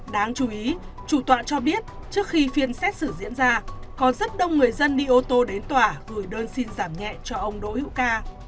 đáng chú ý chủ tọa cho biết trước khi phiên xét xử diễn ra có rất đông người dân đi ô tô đến tòa gửi đơn xin giảm nhẹ cho ông đỗ hữu ca